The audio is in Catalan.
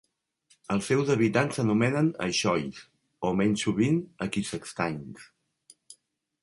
Els seus habitants s'anomenen "Aixois" o, menys sovint, "Aquisextains".